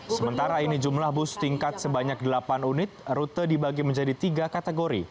sementara ini jumlah bus tingkat sebanyak delapan unit rute dibagi menjadi tiga kategori